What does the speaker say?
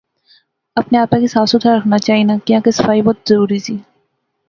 اپنے آپا کی صاف ستھرا رکھنا چاینا کیاں کے صفائی بہوں ضروری زی